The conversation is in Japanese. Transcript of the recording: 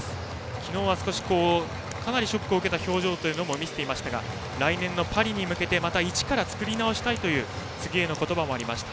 昨日はかなりショックを受けた表情も見せていましたが来年のパリに向けてまた一から作り直したいという次への言葉もありました。